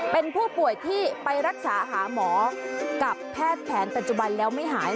เป็นผู้ป่วยที่ไปรักษาหาหมอกับแพทย์แผนปัจจุบันแล้วไม่หาย